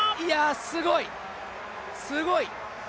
すごい、すごい！